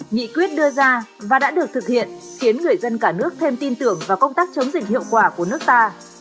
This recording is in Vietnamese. nghị quyết đưa ra và đã được thực hiện khiến người dân cả nước thêm tin tưởng vào công tác chống dịch hiệu quả của nước ta